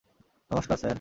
নমষ্কার, sir.